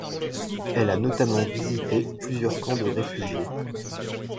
Elle a notamment visité plusieurs camp de réfugiés.